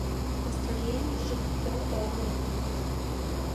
Настроенийже тӧр огыл.